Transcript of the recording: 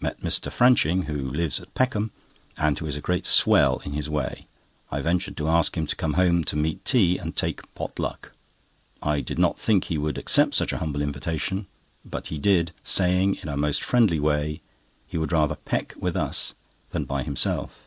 Met Mr. Franching, who lives at Peckham, and who is a great swell in his way. I ventured to ask him to come home to meat tea, and take pot luck. I did not think he would accept such a humble invitation; but he did, saying, in a most friendly way, he would rather "peck" with us than by himself.